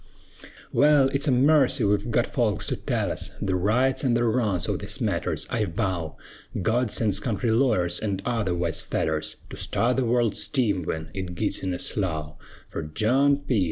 Wal, it's a marcy we've gut folks to tell us The rights an' the wrongs o' these matters, I vow, God sends country lawyers, an' other wise fellers, To start the world's team wen it gits in a slough; Fer John P.